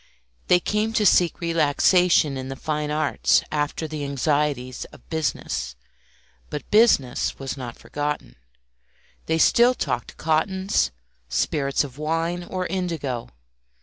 They came to seek relaxation in the fine arts after the anxieties of business; but "business" was not forgotten; they still talked cottons, spirits of wine, or indigo.